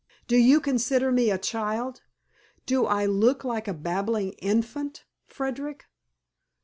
"Do you consider me a child? Do I look like a babbling infant, Frederick?"